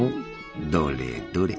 どれどれ？